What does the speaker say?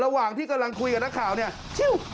ระหว่างที่กำลังคุยกับนักข่าวเนี่ยชิว